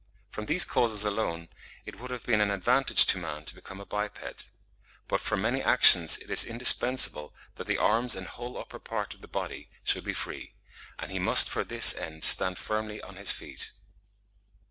From these causes alone it would have been an advantage to man to become a biped; but for many actions it is indispensable that the arms and whole upper part of the body should be free; and he must for this end stand firmly on his feet.